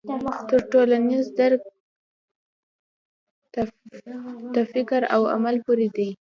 تر ټولنیز درک تفکر او عمل پورې دی.